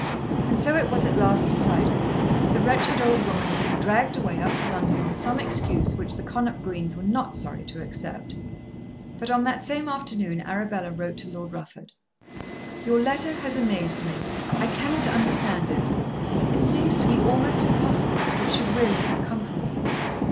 And so it was at last decided, the wretched old woman being dragged away up to London on some excuse which the Connop Greens were not sorry to accept. But on that same afternoon Arabella wrote to Lord Rufford. Your letter has amazed me. I cannot understand it. It seems to be almost impossible that it should really have come from you.